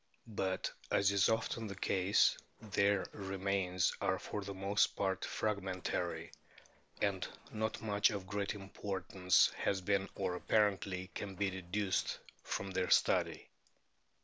But, as is so often the case, their remains are for the most part fragmentary, and not much of great importance has been or apparently can be deduced from their study.